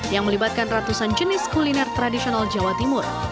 yang melibatkan ratusan jenis kuliner tradisional jawa timur